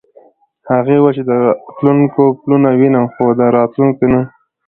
هغې وویل چې د تلونکو پلونه وینم خو د راوتونکو نه.